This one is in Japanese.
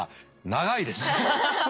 長いです。